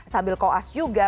sambil koas juga